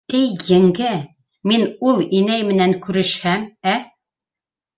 — Эй, еңгә, мин ул инәй менән күрешһәм, ә?